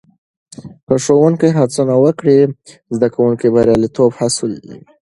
که ښوونکې هڅونه وکړي، زده کوونکي برياليتوب حاصلوي.